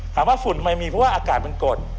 ถามว่าฝุ่นไม่มีเพราะว่าอากาธิ์มันกด